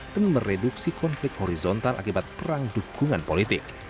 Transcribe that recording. mereduksi konflik horizontal akibat perang dukungan politik